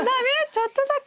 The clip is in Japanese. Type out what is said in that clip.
ちょっとだけ。